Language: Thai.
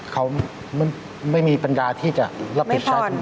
เขาไม่มีปัญญาที่จะรับผิดชอบ